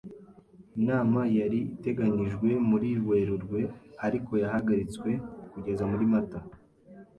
Inama yari iteganijwe muri Werurwe, ariko yahagaritswe kugeza muri Mata.